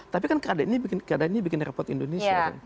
tapi kan keadaan ini bikin repot indonesia